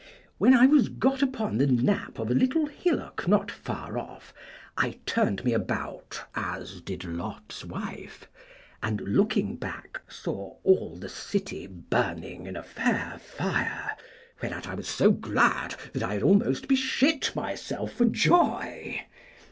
When I was got upon the knap of a little hillock not far off, I turned me about as did Lot's wife, and, looking back, saw all the city burning in a fair fire, whereat I was so glad that I had almost beshit myself for joy.